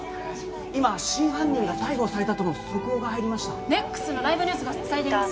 今真犯人が逮捕されたとの速報が入りましたＮＥＸのライブニュースが伝えています